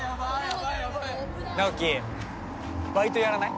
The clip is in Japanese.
直己バイトやらない？